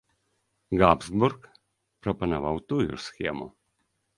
Габсбург прапанаваў тую ж схему.